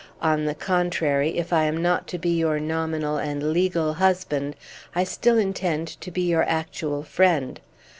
On the contrary, if I am not to be your nominal and legal husband, I still intend to be your actual friend.